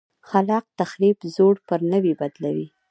خلاق تخریب زوړ پر نوي بدلوي.